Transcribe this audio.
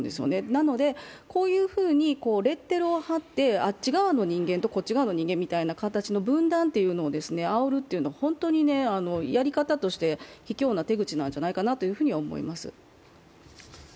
なのでこういうふうにレッテルを貼って、あっち側の人間と、こっち側の人間みたいな形の分断をあおるというのは、やり方として卑怯な手口なんじゃないかなと思います。